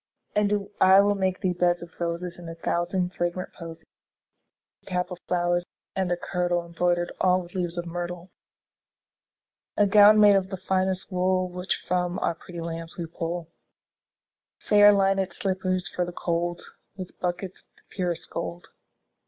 And I will make thee beds of roses And a thousand fragrant posies; 10 A cap of flowers, and a kirtle Embroider'd all with leaves of myrtle. A gown made of the finest wool Which from our pretty lambs we pull; Fair linèd slippers for the cold, 15 With buckles of the purest gold.